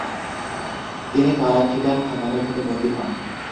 তিনি কারা-খিতান খানাতের হাতে বন্দী হন।